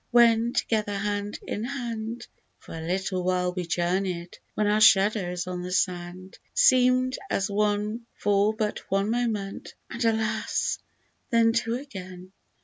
when together hand in hand, For a little while we joumey'd, — when our shadows on the sand Seem'd as one for but one moment, and alas ! then two again.